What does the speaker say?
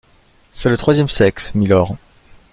C’est le troisième sexe, milord.